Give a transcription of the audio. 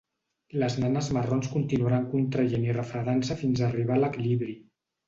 Les nanes marrons continuaran contraient i refredant-se fins a arribar a l'equilibri.